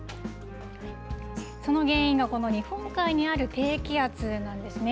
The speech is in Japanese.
その原因が、この日本海にある低気圧なんですね。